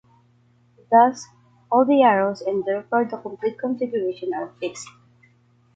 Thus, all the arrows and therefore the complete configuration are fixed.